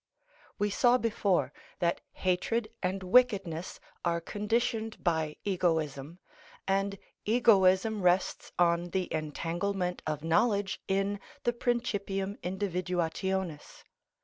We saw before that hatred and wickedness are conditioned by egoism, and egoism rests on the entanglement of knowledge in the principium individuationis.